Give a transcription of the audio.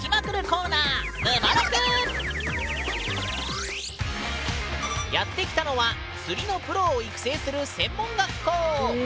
コーナーやって来たのは釣りのプロを育成する専門学校。